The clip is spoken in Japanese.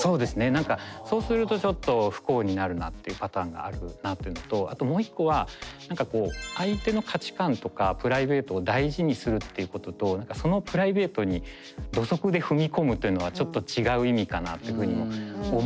何かそうするとちょっと不幸になるなっていうパターンがあるなっていうのとあともう一個は何かこう相手の価値観とかプライベートを大事にするっていうことと何かそのプライベートに土足で踏み込むっていうのはちょっと違う意味かなっていうふうにも思うので。